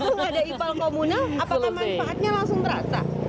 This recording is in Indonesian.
kalau ada ipal komunal apakah manfaatnya langsung terasa